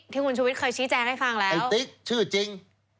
ที่คุณชุวิตเคยชี้แจงให้ฟังแล้วคุณติ๊กชื่อจริง